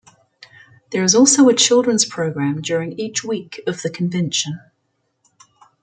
There is also a children's programme during each week of the Convention.